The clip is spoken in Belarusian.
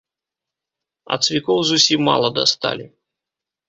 А цвікоў зусім мала дасталі.